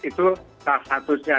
itu salah satu saja